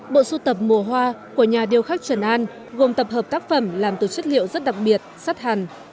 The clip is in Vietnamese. bộ sưu tập mùa hoa của nhà điêu khắc trần an gồm tập hợp tác phẩm làm từ chất liệu rất đặc biệt sắt hàn